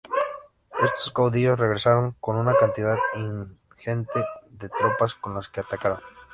Estos caudillos regresaron con una cantidad ingente de tropas, con las que atacaron.